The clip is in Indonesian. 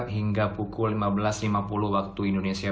hingga pukul lima belas lima puluh waktu indonesia